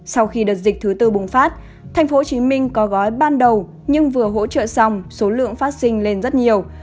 sau khi đợt dịch thứ tư bùng phát tp hcm có gói ban đầu nhưng vừa hỗ trợ xong số lượng phát sinh lên rất nhiều